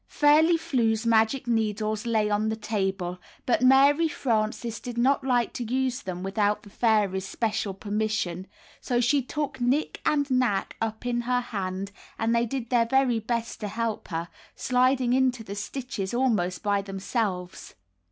Fairly Flew's magic needles lay on the table, but Mary Frances did not like to use them without the fairy's special permission. So she took Knit and Knack up in her hand, and they did their very best to help her, sliding into the stitches almost by themselves.